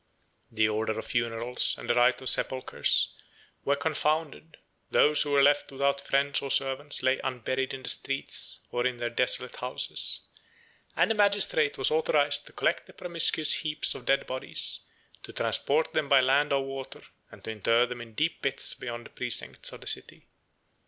The order of funerals, and the right of sepulchres, were confounded: those who were left without friends or servants, lay unburied in the streets, or in their desolate houses; and a magistrate was authorized to collect the promiscuous heaps of dead bodies, to transport them by land or water, and to inter them in deep pits beyond the precincts of the city.